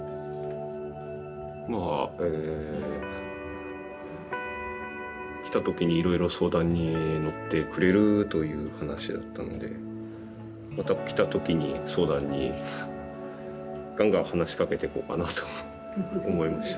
まあえ来た時にいろいろ相談に乗ってくれるという話だったのでまた来た時に相談にがんがん話しかけていこうかなと思いました。